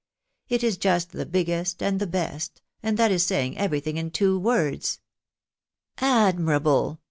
It is just the biggest and the best, and that is saying everything in two words." " Admirable